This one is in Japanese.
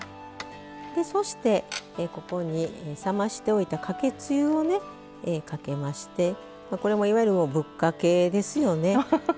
そしてここに冷ましておいたかけつゆをねかけましてこれもいわゆるぶっかけですよね。